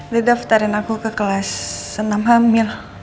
di daftarin aku ke kelas senam hamil